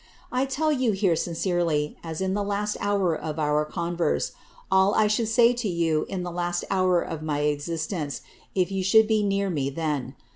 I tell yoo here sincerely, as in the last hour of our converse, all I should say to you in the laj»t hour of my existence, if you should be near me then.